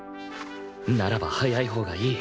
ならば早いほうがいい